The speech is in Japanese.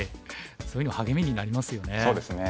そういうの励みになりますよね。